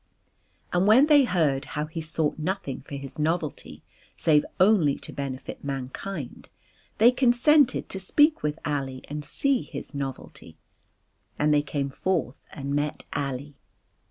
And when they heard how he sought nothing for his novelty save only to benefit mankind they consented to speak with Ali and see his novelty. And they came forth and met Ali.